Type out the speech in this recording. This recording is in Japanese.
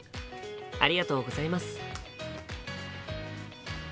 ありがとうございます。